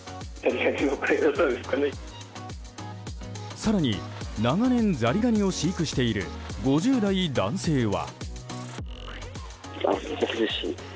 更に、長年ザリガニを飼育している５０代男性は。